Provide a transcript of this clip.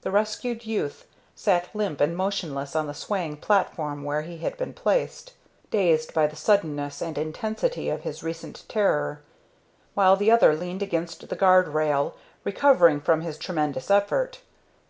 The rescued youth sat limp and motionless on the swaying platform where he had been placed, dazed by the suddenness and intensity of his recent terror; while the other leaned against the guard rail, recovering from his tremendous effort.